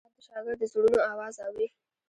استاد د شاګرد د زړونو آواز اوري.